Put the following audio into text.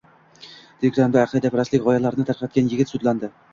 Telegrammda aqidaparastlik g‘oyalarini tarqatgan yigit sudlandi